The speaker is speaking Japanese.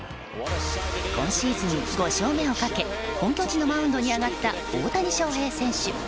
今シーズン５勝目をかけ本拠地のマウンドに上がった大谷翔平選手。